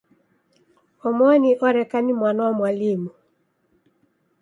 Omoni oreka ni mwana wa mwalimu.